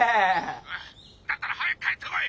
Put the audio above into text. だったら早く帰ってこい！